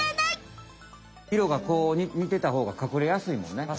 いろがこうにてたほうが隠れやすいもんね。